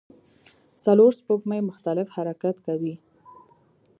څلور سپوږمۍ مختلف حرکت کوي.